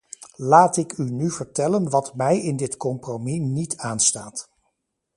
Laat ik u nu vertellen wat mij in dit compromis niet aanstaat.